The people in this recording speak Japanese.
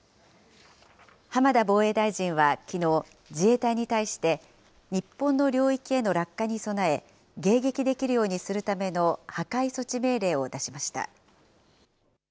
浜田防衛大臣はきのう、自衛隊に対して日本の領域への落下に備え、迎撃できるようにするための破壊措置命令を出しました。